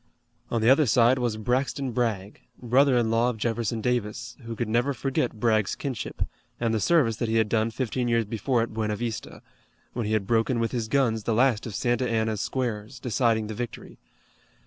On the other side was Braxton Bragg, brother in law of Jefferson Davis, who could never forget Bragg's kinship, and the service that he had done fifteen years before at Buena Vista, when he had broken with his guns the last of Santa Anna's squares, deciding the victory.